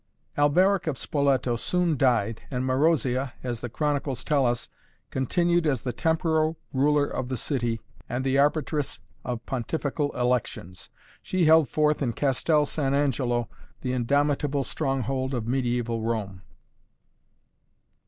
Alberic of Spoleto soon died and Marozia, as the chronicles tell us, continued as the temporal ruler of the city and the arbitress of pontifical elections. She held forth in Castel San Angelo, the indomitable stronghold of mediaeval Rome.